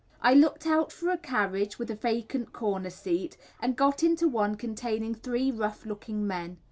I looked out for a carriage with a vacant corner seat, and got into one containing three rough looking men.